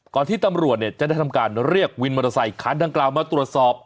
ก่อนที่ตำรวจเนี่ยจะได้ทำการเรียกวินมอเตอร์ไซค์ค้านด้านกลางมาตรวจสอบ